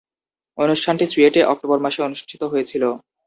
অনুষ্ঠানটি চুয়েটে অক্টোবর মাসে অনুষ্ঠিত হয়েছিলো।